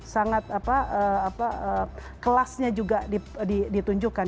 sangat kelasnya juga ditunjukkan